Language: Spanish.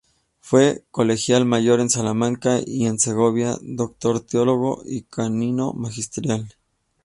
Fue colegial mayor en Salamanca, y en Segovia, doctor teólogo y canónigo magistral.